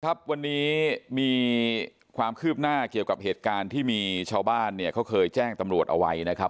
ครับวันนี้มีความคืบหน้าเกี่ยวกับเหตุการณ์ที่มีชาวบ้านเนี่ยเขาเคยแจ้งตำรวจเอาไว้นะครับ